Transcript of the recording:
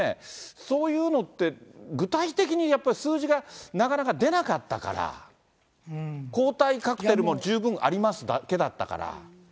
そういうのって具体的にやっぱり、数字がなかなか出なかったから、抗体カクテルも十分ありますだけだったから。